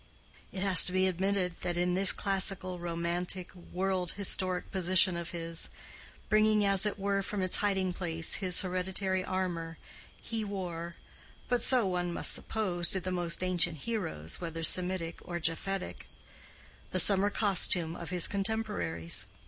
It has to be admitted that in this classical, romantic, world historic position of his, bringing as it were from its hiding place his hereditary armor, he wore—but so, one must suppose, did the most ancient heroes, whether Semitic or Japhetic—the summer costume of his contemporaries.